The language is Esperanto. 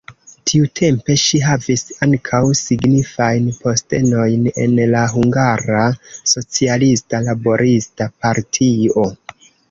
Tiutempe ŝi havis ankaŭ signifajn postenojn en la Hungara Socialista Laborista Partio.